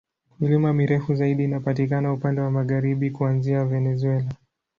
Milima mirefu zaidi inapatikana upande wa magharibi, kuanzia Venezuela.